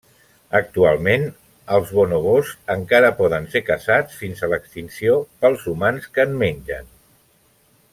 Actualment, els bonobos encara poden ser caçats fins a l'extinció pels humans que en mengen.